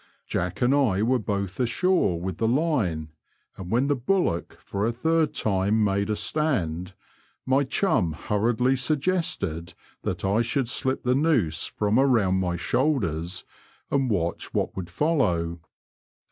Jack and I were both ashore with the line, and when the bullock for a third time made a stand, my chum hurriedly suggested that I should slip the noose from around my shoulders and watch what would follow.